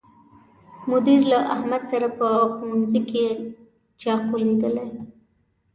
مدیر له احمد سره په ښوونځي کې چاقو لیدلی